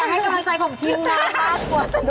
ไม่กำลังใจของทีมน้องภาพกว่าจะดู